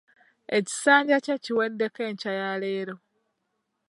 Ekisanja kye kiweddeko enkya ya leero.